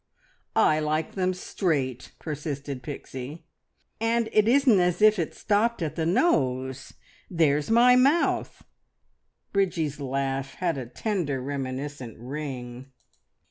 "I like them straight!" persisted Pixie. "And it isn't as if it stopped at the nose. There's my mouth " Bridgie's laugh had a tender, reminiscent ring.